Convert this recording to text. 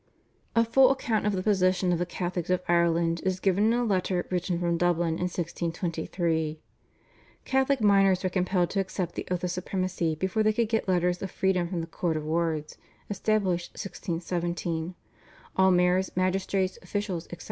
" A full account of the position of the Catholics of Ireland is given in a letter written from Dublin in 1623. Catholic minors were compelled to accept the oath of supremacy before they could get letters of freedom from the Court of Wards (established 1617); all mayors, magistrates, officials, etc.